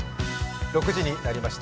６時になりました。